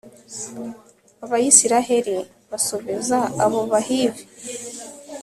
abayisraheli basubiza abo bahivi